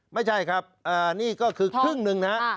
ไม่ใช่ครับนี่ก็คือครึ่งหนึ่งนะครับ